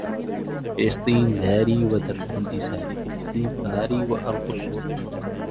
فلسطين داري ودرب انتصاري فلسطين ثاري وأرض الصمود